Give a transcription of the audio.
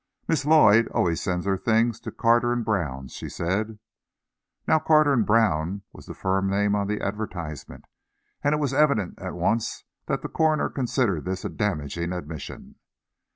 "Miss Lloyd always sends her things to Carter & Brown's," she said. Now, Carter & Brown was the firm name on the advertisement, and it was evident at once that the coroner considered this a damaging admission.